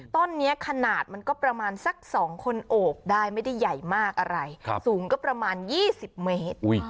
ต้นนี้ขนาดมันก็ประมาณสัก๒คนโอบได้ไม่ได้ใหญ่มากอะไรสูงก็ประมาณ๒๐เมตร